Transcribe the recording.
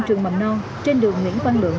trường mầm non trên đường nguyễn văn lượng